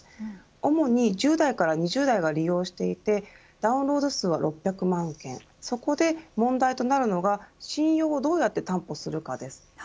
主に１０代から２０代が利用していてダウンロード数は６００万件そこで問題となるのが信用をどうやって担保するかです。